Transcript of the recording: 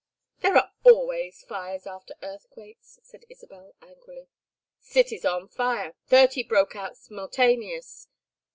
"There are always fires after earthquakes," said Isabel, angrily. "City's on fire. Thirty broke out s'multaneous.